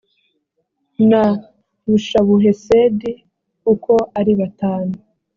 na yushabuhesedi uko ari batanu